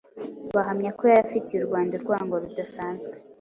bahamya ko yari afitiye u Rwanda urwango rudasanzwe.